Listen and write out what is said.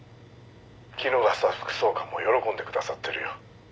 「衣笠副総監も喜んでくださってるよ」